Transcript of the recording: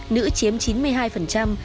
nữ chiếm chín mươi hai